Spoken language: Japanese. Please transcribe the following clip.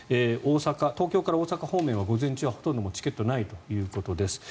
東京から大阪方面は午前中からほとんどチケットはないということです。